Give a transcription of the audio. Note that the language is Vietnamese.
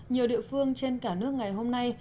nhiều địa phương trên cả nước ngày hôm nay